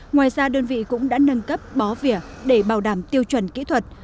ngoài ra đơn vị cũng đã nâng cấp bó vỉa để bảo đảm tiêu chuẩn kỹ thuật